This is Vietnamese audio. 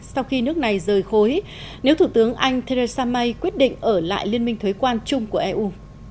sau khi nước này rời khối nếu thủ tướng anh theresa may quyết định ở lại liên minh thuế quan chung của eu